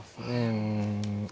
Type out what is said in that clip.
うん。